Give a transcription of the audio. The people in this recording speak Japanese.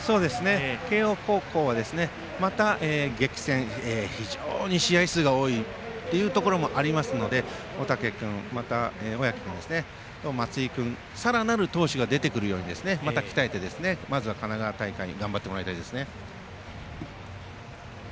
慶応高校は、また激戦非常に試合数が多いというところもありますし小宅君、松井君または更なる投手が出てくるようにまた鍛えて、まずは神奈川大会頑張ってもらいたいですね。